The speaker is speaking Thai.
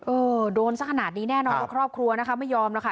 โอ้โหโดนสักขนาดนี้แน่นอนครอบครัวนะคะไม่ยอมนะคะ